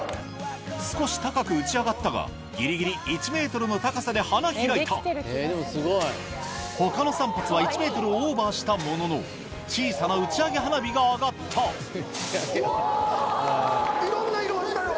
少し高く打ち上がったがギリギリ１ｍの高さで花開いた他の３発は１ｍをオーバーしたものの小さな打ち上げ花火が上がったいろんな色あったよ！